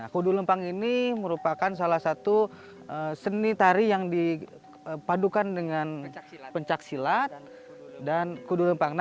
kudu lempang ini merupakan salah satu seni tari yang dipadukan dengan pencaksilat dan kudu lempang